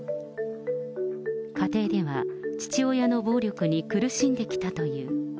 家庭では父親の暴力に苦しんできたという。